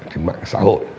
trên mạng xã hội